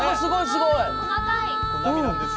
すごい！